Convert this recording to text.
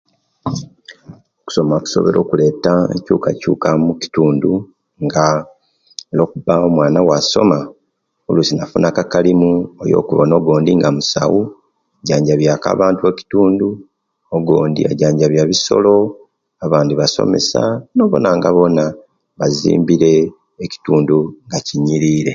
Okusoma kusobwoire okuleta enkyukakyuka mukitundu nga oluwo kuba omwana owasoma oluisi nafunaku akalimu okubona ogondi nga musawo ajanjabya ku abantu okitundu, ogondi ajanjabya bisolo abandi basomesa nobona nga bona bazimbire ekitundu nga kinyirire